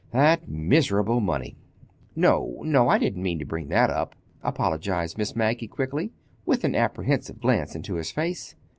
"That miserable money!" "No, no—I didn't mean to bring that up," apologized Miss Maggie quickly, with an apprehensive glance into his face.